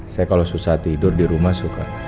saya kalau susah tidur dirumah suka